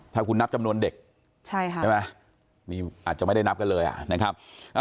ถ้าคุณนับจำนวนเด็กใช่ไหมนี่อาจจะไม่ได้นับกันเลยนะครับ